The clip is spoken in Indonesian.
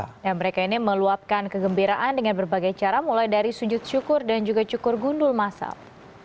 kejadian ini telah diluapkan kegembiraan dengan berbagai cara mulai dari sujud syukur dan juga syukur gundul masal